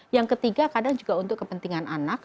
yang ketiga kadang juga untuk kepentingan anak